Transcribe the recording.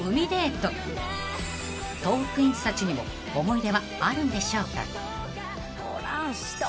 ［トークィーンズたちにも思い出はあるんでしょうか？］